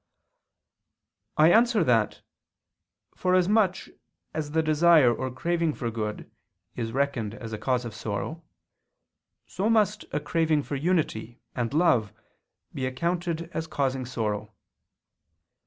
I answer that, Forasmuch as the desire or craving for good is reckoned as a cause of sorrow, so must a craving for unity, and love, be accounted as causing sorrow.